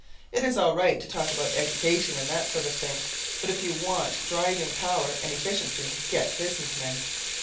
It's all right to talk about education and that sort of thing, but if you want driving power and efficiency, get business men.